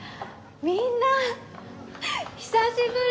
みんな久しぶり！